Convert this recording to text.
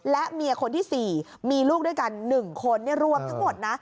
และเมียคนที่๔มีลูกด้วยกัน๑คนรวมทั้งหมดนะ